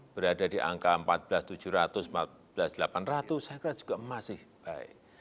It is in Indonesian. berada di angka empat belas tujuh ratus empat belas delapan ratus saya kira juga masih baik